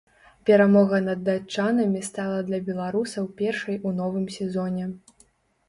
Перамога над датчанамі стала для беларусаў першай у новым сезоне.